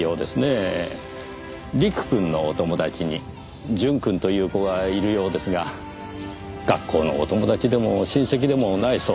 吏玖くんのお友達にジュンくんという子がいるようですが学校のお友達でも親戚でもないそうです。